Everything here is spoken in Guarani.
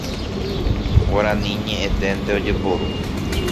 Guarani ñe'ẽténte ojepuru.